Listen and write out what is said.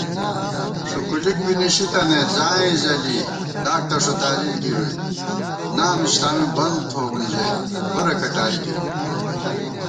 ݭُکُلِک بی نِشِتنَئیت ځائېں ځَلی لاک تہ ݭُتالی گِرُوئی * نام اسلامی بم تھووون ژَئی ورہ کٹاری گِروئی